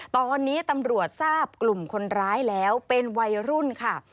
ตอนนี้ตำรวจทราบกลุ่มคนร้ายแล้วเป็นวัยรุ่นค่ะ